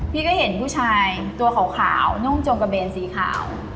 พี่ก็เห็นผู้ชายตัวขาวนุ่งจงกระเบนสีขาว